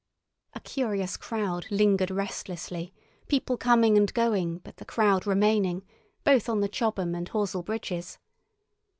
A curious crowd lingered restlessly, people coming and going but the crowd remaining, both on the Chobham and Horsell bridges.